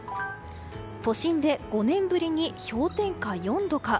都心で５年ぶりに氷点下４度か。